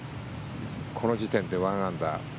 この時点で１アンダー。